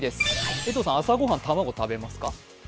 江藤さん、朝御飯に卵食べますか？